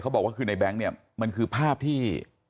บอกว่าคือในแบงค์เนี่ยมันคือภาพที่